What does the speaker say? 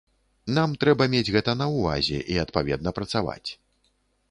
Нам трэба мець гэта на ўвазе і адпаведна працаваць.